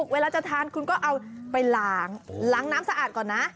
เวลาจะทานคุณก็เอาไปล้างล้างน้ำสะอาดก่อนนะ